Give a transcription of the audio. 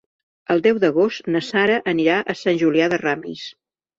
El deu d'agost na Sara anirà a Sant Julià de Ramis.